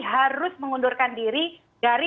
harus mengundurkan diri dari